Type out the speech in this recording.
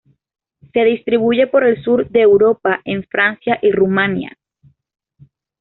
Se distribuye por el Sur de Europa en Francia y Rumanía.